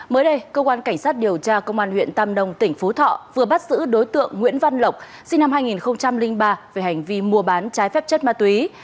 mới đây cơ quan cảnh sát điều tra công an huyện tam nông tỉnh phú thọ vừa bắt giữ đối tượng nguyễn văn lộc sinh năm hai nghìn ba về hành vi mua bán trái phép chất ma túy